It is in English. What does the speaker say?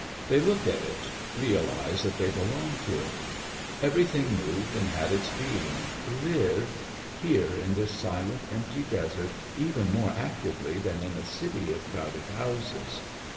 They looked at it realised that they belonged to it. Everything moved and had its being, lived here in this silent, empty desert even more actively than in a city of crowded houses.